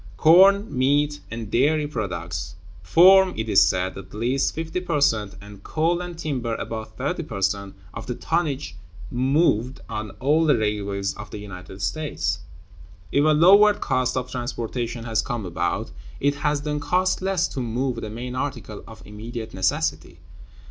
Corn, meat, and dairy products form, it is said, at least 50 per cent, and coal and timber about 30 per cent, of the tonnage moved on all the railways of the United States. If a lowered cost of transportation has come about, it has then cost less to move the main articles of immediate necessity.